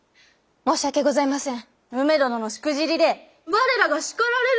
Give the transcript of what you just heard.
申し訳ございません。